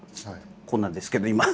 こんなんですけど今。